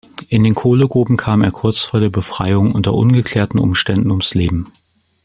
In den Kohlengruben kam er kurz vor der Befreiung unter ungeklärten Umständen ums Leben.